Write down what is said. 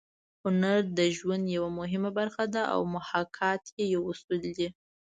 هنر د ژوند یوه مهمه برخه ده او محاکات یې یو اصل دی